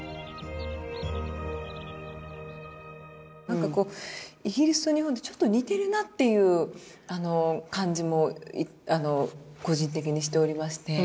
何かこうイギリスと日本ってちょっと似てるなっていう感じも個人的にしておりまして。